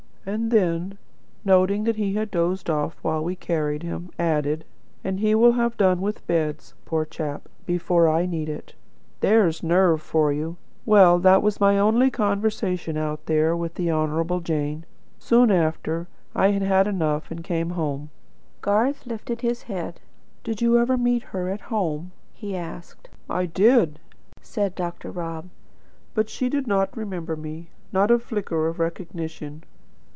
And then, noting that he had dozed off while we carried him, added: 'And he will have done with beds, poor chap, before I need it.' There's nerve for you! Well, that was my only conversation out there with the Honourable Jane. Soon after I had had enough and came home." Garth lifted his head. "Did you ever meet her at home?" he asked. "I did," said Dr. Rob. "But she did not remember me. Not a flicker of recognition.